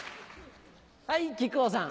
はい木久扇さん。